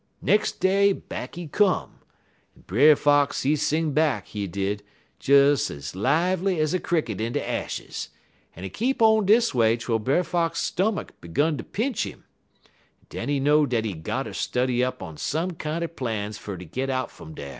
Nex' day back he come, en Brer Fox, he sing back, he did, des ez lively ez a cricket in de ashes, en it keep on dis way twel Brer Fox stomach 'gun ter pinch him, en den he know dat he gotter study up some kinder plans fer ter git out fum dar.